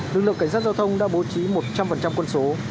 lực lượng cảnh sát giao thông đã bố trí một trăm linh quân số